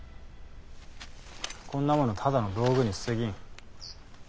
こんなものただの道具にすぎん。